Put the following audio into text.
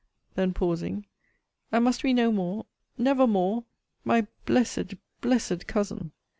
Then pausing And must we no more never more! My blessed, blessed Cousin!